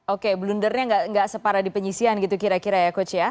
oke blundernya nggak separah di penyisian gitu kira kira ya coach ya